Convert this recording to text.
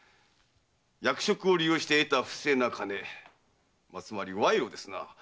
役職を利用して得た不正な金つまり賄賂ですな。